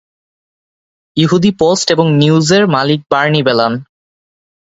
ইহুদি পোস্ট এবং নিউজের মালিক বার্নি বেলান।